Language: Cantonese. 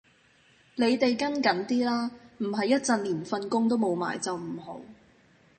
你地跟緊啲啦，唔係一陣連份工都冇埋就唔好